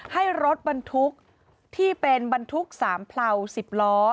ให้รถบรรทุกที่เป็นบรรทุกสามเผลา๑๐ล้อ